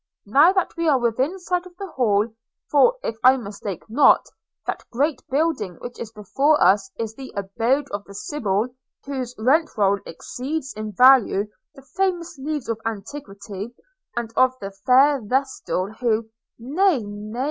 – Now that we are within sight of the Hall, for, if I mistake not, that great building which is before us is the abode of the sybil whose rent roll exceeds in value the famous leaves of antiquity, and of the fair vestal, who –' 'Nay, nay!'